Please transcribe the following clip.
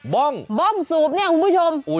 บ้องสูบเนี่ยคุณผู้ชม